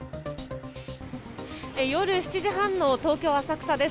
夜７時半の東京・浅草です。